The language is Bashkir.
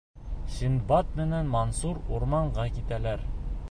Синдбад менән Мансур урманға китәләр.